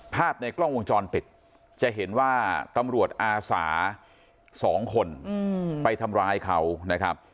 ภาพในกล้องวงจรปิดจะเห็นว่าตำรวจอาสา๒คนไปทำร้ายเขานะครับ